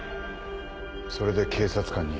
それで警察官に？